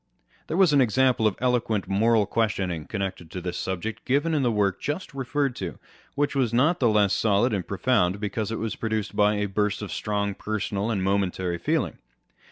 There was an example of eloquent moral reasoning con nected with this subject, given in the work just referred to, which was not the less solid and profound because it was produced by a burst of strong personal and momentary feeling.